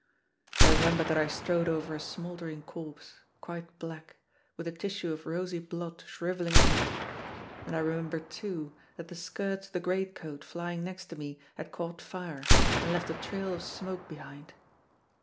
I remember that I strode over a smoldering corpse, quite black, with a tissue of rosy blood shriveling on him; and I remember, too, that the skirts of the greatcoat flying next to me had caught fire, and left a trail of smoke behind.